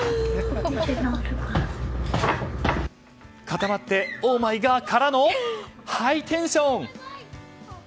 固まってオーマイガー！からのハイテンション！